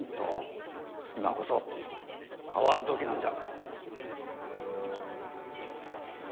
今こそ変わる時なんじゃ。